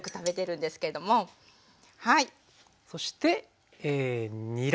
そしてにら。